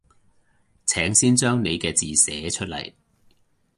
請先將你嘅字寫出來